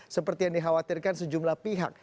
seperti yang dikhawatirkan sejumlah pihak